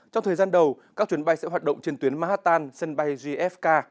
trong thời gian đầu các chuyến bay sẽ hoạt động trên tuyến manhattan sân bay jfk